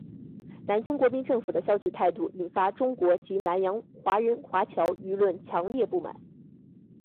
南京国民政府的消极态度引发中国及南洋华人华侨舆论强烈不满。